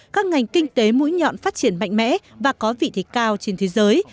các ngành kinh tế mũi nhọn phát triển mạnh mẽ và có vị thế cao trên thế giới